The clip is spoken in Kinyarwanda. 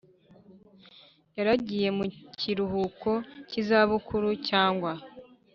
yaragiye mu kiruhuko cy izabukuru cyangwa